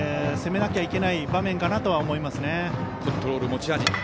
攻めなきゃいけない場面かなと思いますよね。